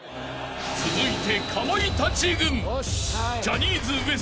［続いて］